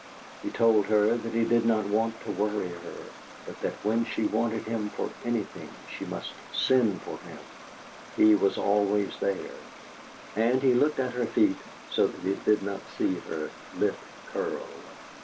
He told her that he did not want to worry her, but that when she wanted him for anything she must send for him he was always there; and he looked at her feet, so that he did not see her lip curl.